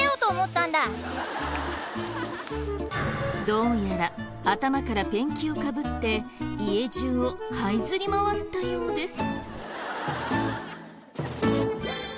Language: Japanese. どうやら頭からペンキをかぶって家中をはいずり回ったようです。